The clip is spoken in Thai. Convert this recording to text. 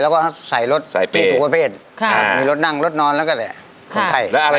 แล้วก็ใส่รถที่ถูกประเภทมีรถนั่งรถนอนแล้วก็แหละของใครครับ